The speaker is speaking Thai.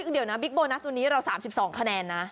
เดี๋ยวนะบิ๊กโบนัสตัวนี้เรา๓๒คะแนนนะ